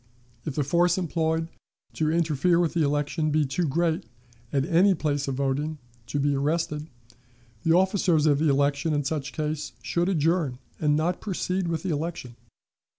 If the force employed to interfere with the election be too great, at any place of voting, to be arrested, the officers of election, in such case, should adjourn and not proceed with the election.